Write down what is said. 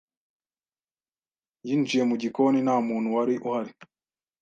Yinjiye mu gikoni, nta muntu wari uhari.